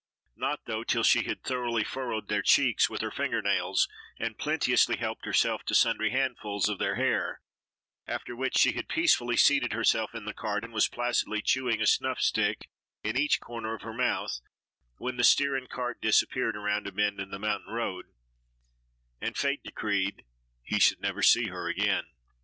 Not though till she had thoroughly furrowed their cheeks with her finger nails and plenteously helped herself to sundry handfuls of their hair, after which she had peacefully seated herself in the cart and was placidly chewing a snuff stick in each corner of her mouth, when the steer and cart disappeared around a bend in the mountain road, and fate had decreed he should never see her again.